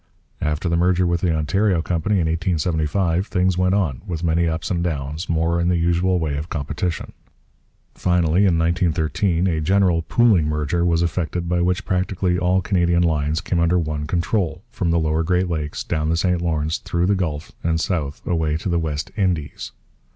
After the merger with the Ontario Company in 1875 things went on, with many ups and downs, more in the usual way of competition. Finally, in 1913, a general 'pooling merger' was effected by which practically all Canadian lines came under one control, from the lower Great Lakes, down the St Lawrence, through the Gulf, and south away to the West Indies.